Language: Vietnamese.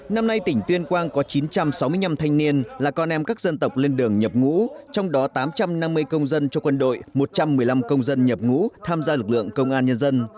năm nay tỉnh tuyên quang có chín trăm sáu mươi năm thanh niên là con em các dân tộc lên đường nhập ngũ trong đó tám trăm năm mươi công dân cho quân đội một trăm một mươi năm công dân nhập ngũ tham gia lực lượng công an nhân dân